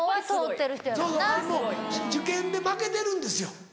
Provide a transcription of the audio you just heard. そうそう受験で負けてるんですよ